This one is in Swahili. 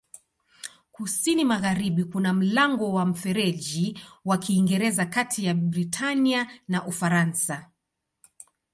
Kusini-magharibi kuna mlango wa Mfereji wa Kiingereza kati ya Britania na Ufaransa.